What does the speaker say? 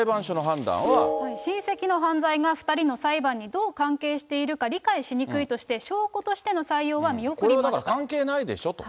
親戚の犯罪が２人の裁判にどう関係しているか理解しにくいとして、これはだから関係ないでしょと。